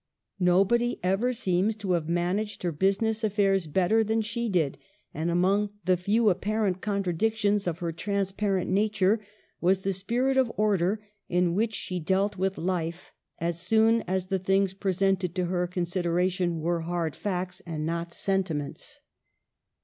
Nobody ever seems to have managed her business affairs better than she did, and among the few apparent contradic tions of her transparent nature was the spirit of order in which she dealt with life, as soon as the things presented to her consideration were hard facts and not sentiments.